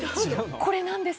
これなんです。